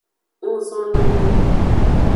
Ngzonono.